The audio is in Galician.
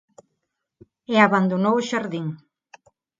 E abandonou o xardín.